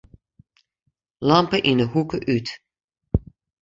Lampe yn 'e hoeke út.